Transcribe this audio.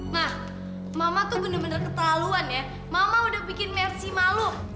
nah mama tuh bener bener keterlaluan ya mama udah bikin mersi malu